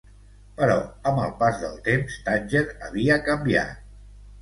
Però, amb el pas del temps, Tànger havia canviat.